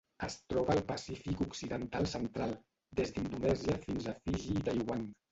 Es troba al Pacífic occidental central: des d'Indonèsia fins a Fiji i Taiwan.